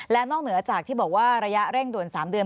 และนอกเหนือจากที่บอกว่าระยะเร่งด่วน๓เดือน